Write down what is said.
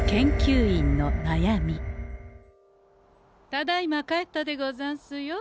ただいま帰ったでござんすよ。